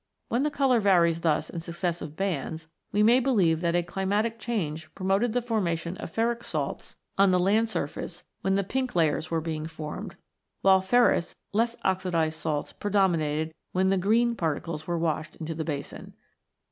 When the colour varies thus in successive bands, we may believe that a climatic change promoted the formation of ferric salts on the 86 ROCKS AND THEIR ORIGINS [CH. land surface when the pink layers were being formed, while ferrous (less oxidised) salts predominated when the green particles were washed into the basin.